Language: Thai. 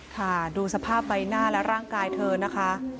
ค่ะดูสภาพใบหน้าและร่างกายเธอนะคะ